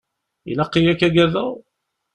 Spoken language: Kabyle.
Ilaq-iyi ad k-agadeɣ?